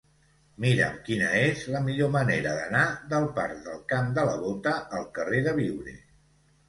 Mira'm quina és la millor manera d'anar del parc del Camp de la Bota al carrer de Biure.